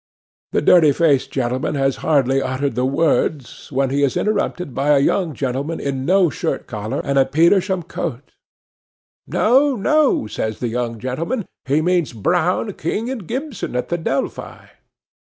The dirty faced gentleman has hardly uttered the words, when he is interrupted by a young gentleman in no shirt collar and a Petersham coat. 'No, no,' says the young gentleman; 'he means Brown, King, and Gibson, at the 'Delphi.